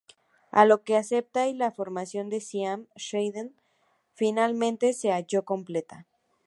A lo que acepta y la formación de Siam Shade finalmente se halló completa.